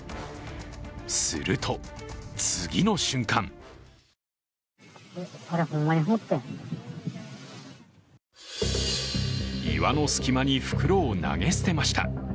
すると、次の瞬間岩の隙間に袋を投げ捨てました。